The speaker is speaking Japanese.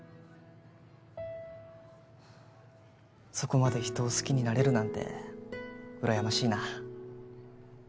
そこまで人を好きになれるなんてうらやましいな。